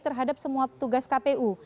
terhadap semua tugas kpu